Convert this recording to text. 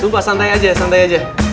lupa santai aja santai aja